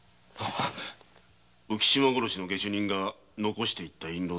浮島殺しの下手人が残して行った印籠だな？